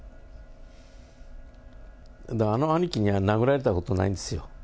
だから、あの兄貴には殴られたことないんですよ。